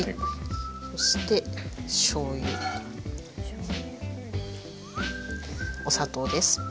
そしてしょうゆお砂糖です。